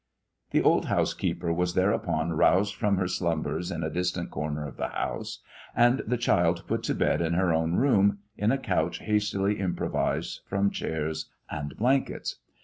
The old housekeeper was thereupon roused from her slumbers in a distant corner of the house, and the child put to bed in her own room in a couch hastily improvised from chairs and blankets.